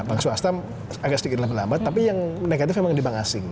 bank swasta agak sedikit lambat lambat tapi yang negatif memang di bank asing